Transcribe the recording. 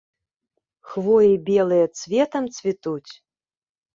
Хвоі белыя цветам цвітуць?